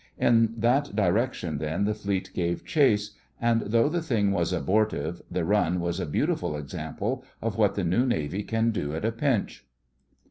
In that direction, then, the Fleet gave chase, and though the thing was abortive, the run was a beautiful example of what the new Navy can do at a pinch.